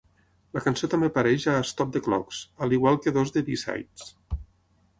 La cançó també apareix a "Stop the Clocks", a l'igual que dos de B-sides.